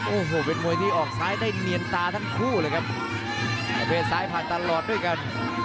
โอ้โหเป็นมวยที่ออกซ้ายได้เนียนตาทั้งคู่เลยครับประเภทซ้ายผ่านตลอดด้วยกัน